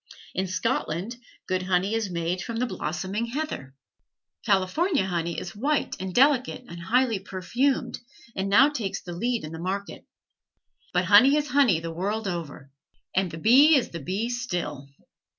In Scotland good honey is made from the blossoming heather. California honey is white and delicate and highly perfumed, and now takes the lead in the market. But honey is honey the world over; and the bee is the bee still.